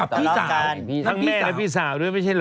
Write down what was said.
กับพี่สาวทั้งแม่และพี่สาวเลยไม่ใช่เหรอ